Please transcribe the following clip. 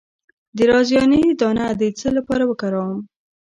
د رازیانې دانه د څه لپاره وکاروم؟